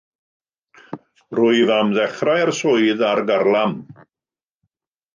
Rwyf am ddechrau'r swydd ar garlam.